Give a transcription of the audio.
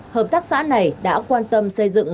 hợp tác xã này đã quan tâm xây dựng